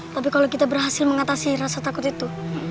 tapi kalau kita berhasil mengatasi rasa takut itu